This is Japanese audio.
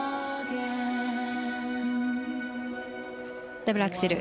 ダブルアクセル。